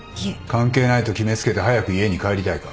関係ないと決め付けて早く家に帰りたいか。